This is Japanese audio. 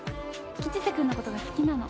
キチセ君のことが好きなの。